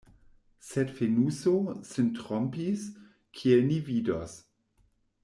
Sed Fenuso sin trompis, kiel ni vidos.